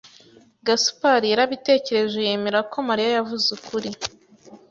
Gasupari yarabitekereje yemera ko Mariya yavuze ukuri.